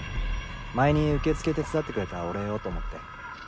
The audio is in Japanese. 前に受付手伝ってくれたお礼をと思って。